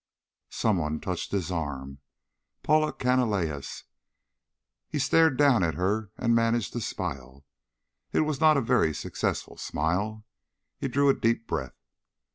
Someone touched his arm. Paula Canalejas. He stared down at her and managed to smile. It was not a very successful smile. He drew a deep breath.